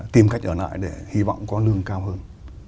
tìm cách ở lại để hy vọng có lương cao hơn